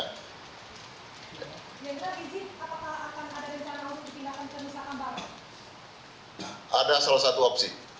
tidak ada izin apakah akan ada rencana maupun tindakan penyusahaan baru